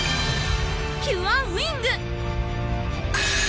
キュアウィング！